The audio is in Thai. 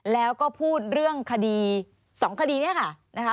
แล้วก็พูดเรื่องสองคดีนี้ค่ะ